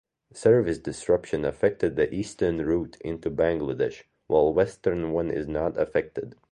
Service disruption affected the eastern route into Bangladesh while western one is not affected.